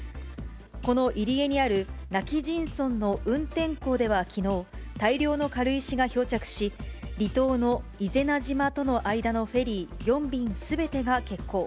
この入江にある今帰仁村の運天港では、きのう、大量の軽石が漂着し、離島の伊是名島との間のフェリー４便すべてが欠航。